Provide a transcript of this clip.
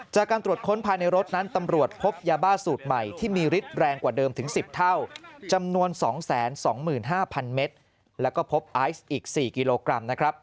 จากการตรวจค้นภายในรถนั้นตำรวจพบยาบ้าสูตรใหม่ที่มีฤทธิ์แรงกว่าเดิมถึง๑๐เท่าจำนวน๒๒๕๐๐เมตรแล้วก็พบไอซ์อีก๔กิโลกรัมนะครับ